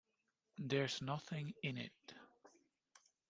There's nothing in it.